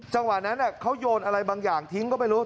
จังหวะนั้นเขาโยนอะไรบางอย่างทิ้งก็ไม่รู้